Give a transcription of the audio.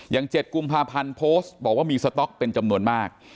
๗กุมภาพันธ์โพสต์บอกว่ามีสต๊อกเป็นจำนวนมาก